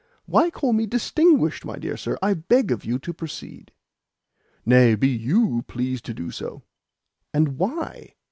"Why call me 'distinguished,' my dear sir? I beg of you to proceed." "Nay; be YOU pleased to do so." "And why?"